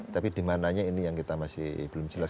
tapi di mananya ini yang kita masih belum jelas